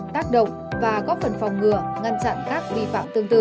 tác động và góp phần phòng ngừa ngăn chặn các vi phạm tương tự